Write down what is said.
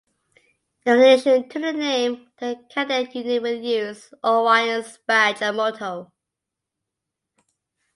In addition to the name, the cadet unit will use "Orion"s badge and motto.